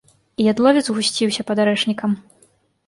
І ядловец гусціўся пад арэшнікам.